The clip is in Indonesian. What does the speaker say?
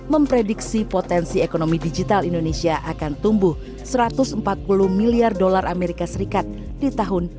memprediksi potensi ekonomi digital indonesia akan tumbuh satu ratus empat puluh miliar dolar amerika serikat di tahun dua ribu dua puluh